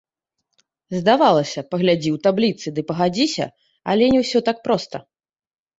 Здавалася, паглядзі ў табліцы ды пагадзіся, але не ўсё так проста.